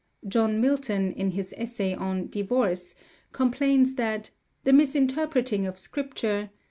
John Milton, in his essay on "Divorce," complains that "the misinterpreting of Scripture...